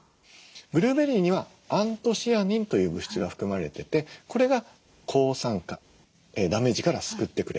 ブルーベリーにはアントシアニンという物質が含まれててこれが抗酸化ダメージから救ってくれます。